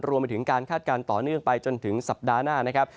รวมไปถึงการคาดการณ์ต่อเนื่องไปจนถึงสัปดาห์หน้านะครับ